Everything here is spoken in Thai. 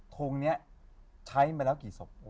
ทงนี้ใช้มาแล้วกี่ศพ